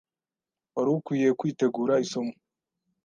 Wari ukwiye kwitegura isomo.